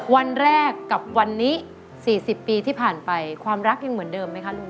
วันแรกกับวันนี้๔๐ปีที่ผ่านไปความรักยังเหมือนเดิมไหมคะลุง